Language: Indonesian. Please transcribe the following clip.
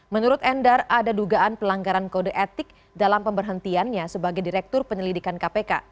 menurut endar ada dugaan pelanggaran kode etik dalam pemberhentiannya sebagai direktur penyelidikan kpk